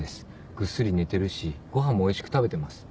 ぐっすり寝てるしご飯もおいしく食べてます。